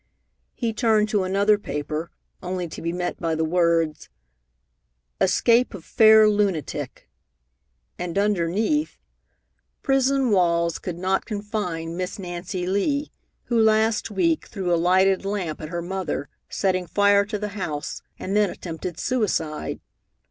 He turned to another paper, only to be met by the words: ESCAPE OF FAIR LUNATIC and underneath: Prison walls could not confine Miss Nancy Lee, who last week threw a lighted lamp at her mother, setting fire to the house, and then attempted suicide.